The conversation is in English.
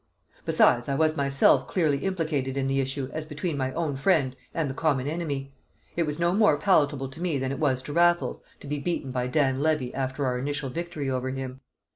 Besides I was myself clearly implicated in the issue as between my own friend and the common enemy; it was no more palatable to me than it was to Raffles, to be beaten by Dan Levy after our initial victory over him.